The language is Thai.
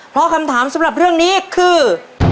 เพราะคำถามสำหรับเรื่องนี้คือ